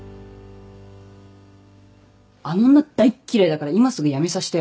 あの女大っ嫌いだから今すぐ辞めさせて。